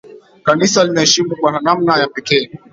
Kanisa linaheshimu kwa namna ya pekee